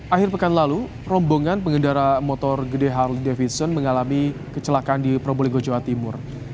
akhir pekan lalu rombongan pengendara motor gede harley davison mengalami kecelakaan di probolinggo jawa timur